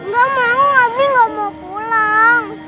gak mau abi gak mau pulang